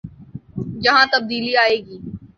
یہاں تبدیلی آئے گی۔